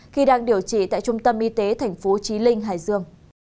khi đang điều trị tại trung tâm y tế tp chí linh hải dương